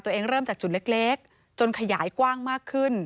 เริ่มจากจุดเล็กจนขยายกว้างมากขึ้น